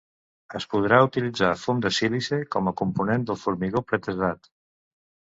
Es podrà utilitzar fum de sílice com a component del formigó pretesat.